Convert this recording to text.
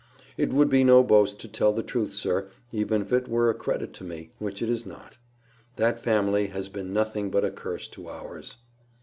"It would be no boast to tell the truth, sir, even if it were a credit to me, which it is not. That family has been nothing but a curse to ours."